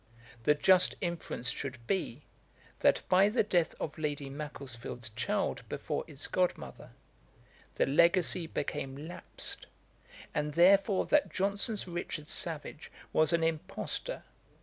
The just inference should be, that by the death of Lady Macclesfield's child before its god mother, the legacy became lapsed, and therefore that Johnson's Richard Savage was an impostor.